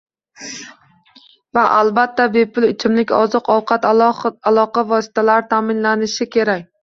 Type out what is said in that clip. Va, albatta, bepul ichimliklar, oziq -ovqat, aloqa vositalari ta'minlanishi kerak